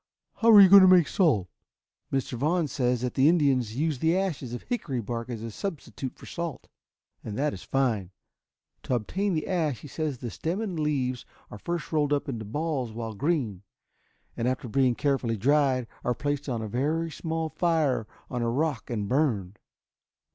How are you going to make salt?" "Mr. Vaughn says that the Indians use the ashes of hickory bark as a substitute for salt, and that it is fine. To obtain the ash he says the stem and leaves are first rolled up into balls while green, and, after being carefully dried, are placed on a very small fire on a rock and burned."